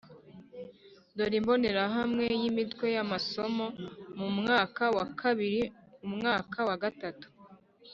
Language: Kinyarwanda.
dore imbonerahamwe y’imitwe y‘amasomo mu mwaka wa kabiri umwaka wa gatatu